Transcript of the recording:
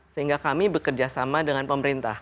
sehingga kami bekerja sama dengan pemerintah